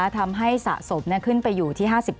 ทำให้สะสมขึ้นไปอยู่ที่๕๙